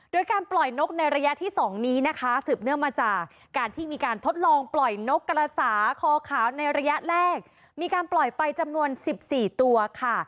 โดยการปล่อยนกในระยะที่๒นี้นะคะสืบเนื่องมาจากการที่มีการทดลองปล่อยนกกระสาคอขาวในระยะแรกมีการปล่อยไปจำนวน๑๔ตัวค่ะ